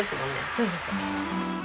そうです。